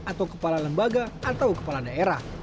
atau kepala lembaga atau kepala daerah